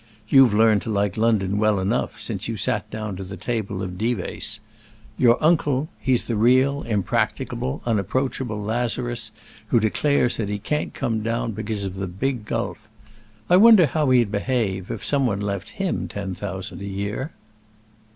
You've learned to like London well enough since you sat down to the table of Dives. Your uncle, he's the real impracticable, unapproachable Lazarus who declares that he can't come down because of the big gulf. I wonder how he'd behave, if somebody left him ten thousand a year?"